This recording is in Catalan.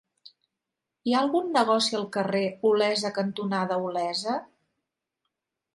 Hi ha algun negoci al carrer Olesa cantonada Olesa?